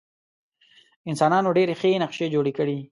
انسانانو ډېرې ښې نقشې جوړې کړې.